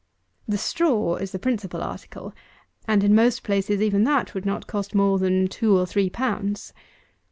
The straw is the principal article; and, in most places, even that would not cost more than two or three pounds.